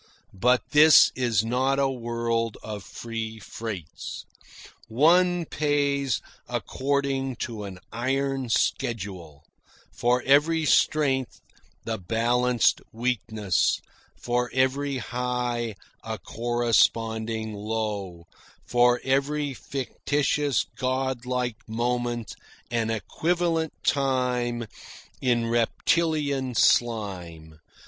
But this is not a world of free freights. One pays according to an iron schedule for every strength the balanced weakness; for every high a corresponding low; for every fictitious god like moment an equivalent time in reptilian slime.